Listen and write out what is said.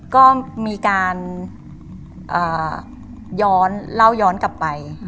ก็มีการย้อนเล่าย้อนกลับไป